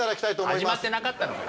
始まってなかったのかよ！